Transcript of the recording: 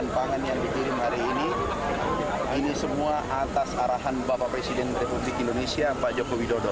pertama pak joko widodo